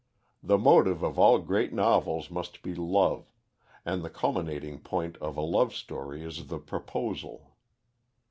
The motive of all great novels must be love, and the culminating point of a love story is the proposal.